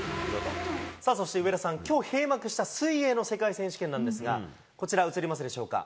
さあ、そして上田さん、きょう閉幕した水泳の世界選手権なんですが、こちら映りますでしょうか。